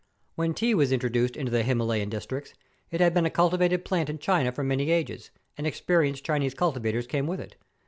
When tea was introduced into the Himalayan dis¬ tricts, it had been a cultivated plant in China for many ages, and experienced Chinese cultivators came with it.